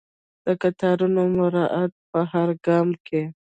د قطارونو مراعات په هر ګام کې.